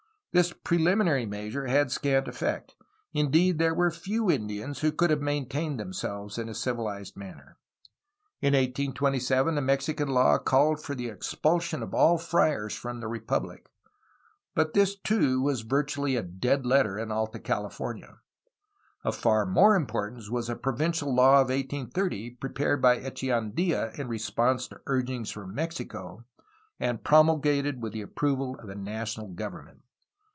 This preliminary measure had scant effect; indeed, there were few Indians who could have maintained themselves in a civilized manner. In 1827 a Mexican law called for the expulsion of all friars from the republic, but this too was virtually a dead letter in Alta California. Of far more importance was a provincial law of 468 A HISTORY OF CALIFORNIA 1830, prepared by Echeandia in response to urgings from Mexico, and promulgated with the approval of the national government.